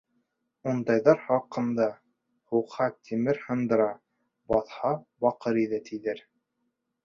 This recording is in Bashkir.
Ундайҙар хаҡында, һуҡһа тимер һындыра, баҫһа баҡыр иҙә, тиҙәр.